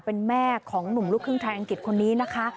เป็นแม่ของหนุ่มลูกครึ่งไทยอังกฤษคนนี้นะคะ